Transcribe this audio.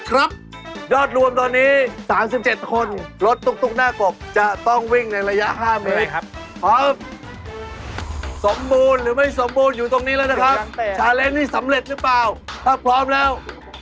ถ้าพร้อมแล้ว